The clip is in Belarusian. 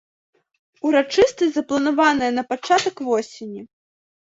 Урачыстасць запланаваная на пачатак восені.